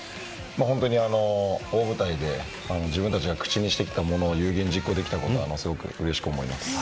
本当に大舞台で自分たちが口にしてきたものを有言実行できたことはすごくうれしく思います。